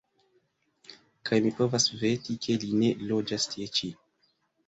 Kaj mi povas veti, ke li ne loĝas tie ĉi.